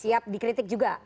siap dikritik juga